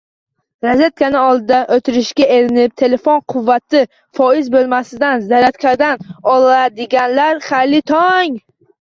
Rozetkani oldida o'tirishga erinib, telefon quvvati % bo'lmasidan zaryadkadan oladiganlar, xayrli tong!